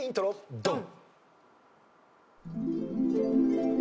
ドン！